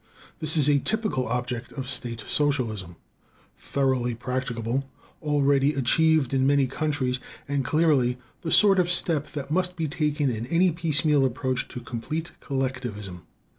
This is a typical object of state socialism, thoroughly practicable, already achieved in many countries, and clearly the sort of step that must be taken in any piecemeal approach to complete collectivism.